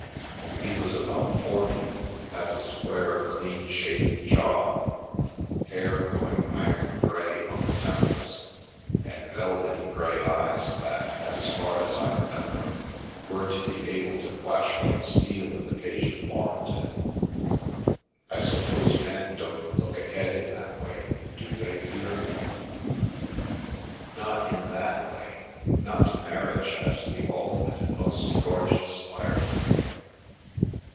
He was about forty, had a square, clean shaven jaw, hair going iron grey on the temples, and velvety, grey eyes that, as far as I remember, were to be able to flash like steel if occasion warranted. I suppose men don't look ahead in that way, do they, Peter? "" Not in that way — not to marriage as the ultimate and most gorgeous firework.